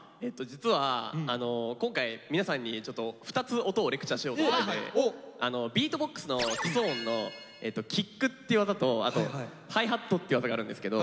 実は今回皆さんにちょっと２つ音をレクチャーしようと思ってビートボックスの基礎音のキックって技とあとハイハットって技があるんですけど。